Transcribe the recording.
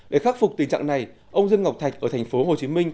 để khắc phục tình trạng này ông dương ngọc thạch ở tp hcm